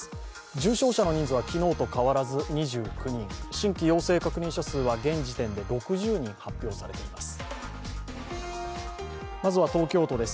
重症者の人数は昨日と変わらず２９人新規陽性確認者数は現時点で６０人発表されています。